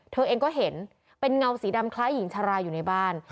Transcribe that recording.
เธอเองก็เห็นเป็นเงาสีดำคล้ายหญิงชาราอยู่ในบ้าน